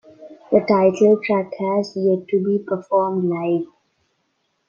The title track has yet to be performed live.